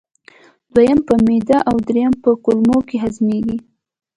دویم په معدې او دریم په کولمو کې هضمېږي.